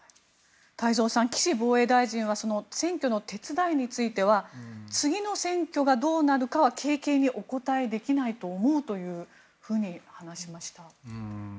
太蔵さん、岸防衛大臣は選挙の手伝いについては次の選挙がどうなるかは軽々にお答えできないと思うと話しました。